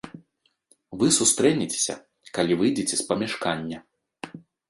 Вы сустрэнецеся, калі выйдзеце з памяшкання.